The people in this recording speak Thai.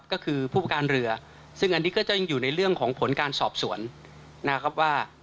ก็คือผู้ประการเรือซึ่งอันนี้ก็จะอยู่ในเรื่องของผลการสอบสวนนะครับว่า